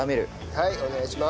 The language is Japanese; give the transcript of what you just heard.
はいお願いします。